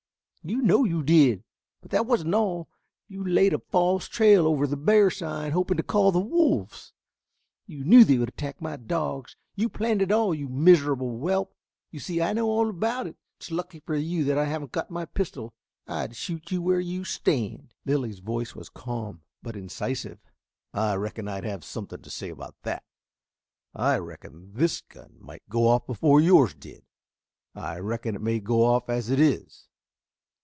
"You know you did, but that wasn't all. You laid a false trail over the bear sign hoping to call the wolves. You knew they would attack my dogs. You planned it all, you miserable whelp! You see I know all about it. It's lucky for you that I haven't got my pistol. I'd shoot you where you stand!" Lilly's voice was calm but incisive. "I reckon I'd have something to say about that; I reckon this gun might go off before yours did. I reckon it may go off as it is."